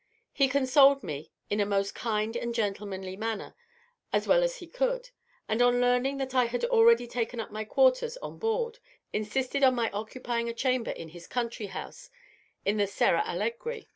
He consoled me, in a most kind and gentlemanly manner, as well as he could; and on learning that I had already taken up my quarters on board, insisted on my occupying a chamber in his country house in the Serra Allegri.